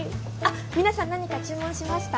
皆さん何か注文しました？